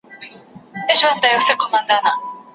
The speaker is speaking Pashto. انسانان به وي اخته په بدو چارو